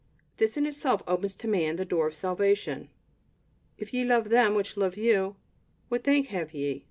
this in itself opens to man the door of salvation. "If ye love them which love you, what thank have ye?